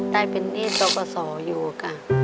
ได้เป็นหนี้ปกศอยู่ค่ะ